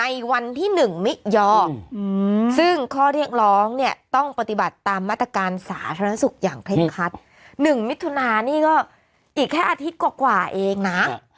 อีกแค่อาทิตย์กว่าเองนะ